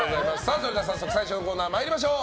それでは早速最初のコーナー参りましょう。